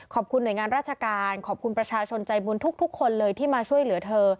ขอบคุณหน่วยงานราชการขอบคุณประชาชนใจบุญทุกคนเลยที่มาช่วยเหลือเธอ